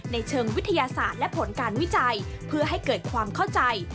เชิงวิทยาศาสตร์และผลการวิจัยเพื่อให้เกิดความเข้าใจ